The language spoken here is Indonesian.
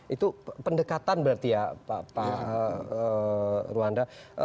itu pendekatan berarti ya pak ruanda